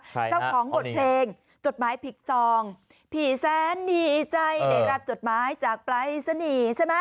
เจ้าของบทเพลงจดหมายผิดซองผีแสนดีใจได้รับจดหมายจากปรายศนีย์ใช่ไหม